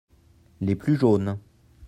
Les plus jaunes.